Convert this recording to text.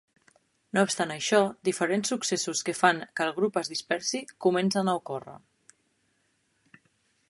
No obstant això, diferents successos que fan que el grup es dispersi comencen a ocórrer.